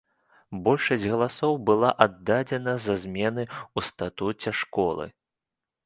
Большасць галасоў была аддадзена за змены ў статуце школы.